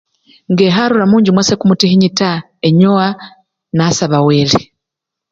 Nge kharura munjju mwase kumutikhinyi taa, enyowa nasaba wele.